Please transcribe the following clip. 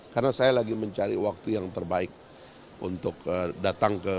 karena saya lagi mencari waktu yang terbaik untuk datang ke sekolah